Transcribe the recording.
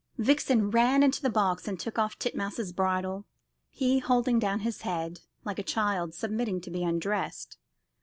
Vixen ran into the box, and took off Titmouse's bridle, he holding down his head, like a child submitting to be undressed.